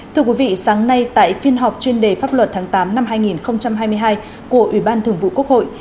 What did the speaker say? thưa quý vị sáng nay tại phiên họp chuyên đề pháp luật tháng tám năm hai nghìn hai mươi hai của ủy ban thường vụ quốc hội